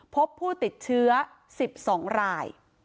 พบผู้ติดเชื้อ๑๒ราย